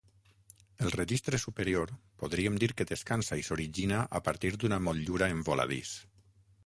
El registre superior, podríem dir que descansa i s'origina a partir d'una motllura en voladís.